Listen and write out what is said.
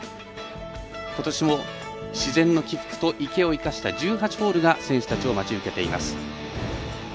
ことしも自然の起伏と地形を生かした１８ホールが選手たちを待ち受けています。